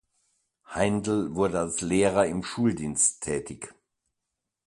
Heindel wurde als Lehrer im Schuldienst tätig.